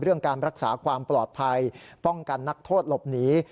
การรักษาความปลอดภัยป้องกันนักโทษหลบหนี